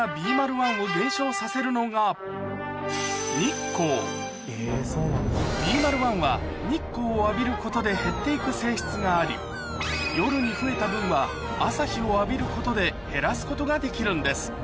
１を減少させるのがＢＭＡＬ１は日光を浴びることで減って行く性質があり夜に増えた分は朝日を浴びることで減らすことができるんです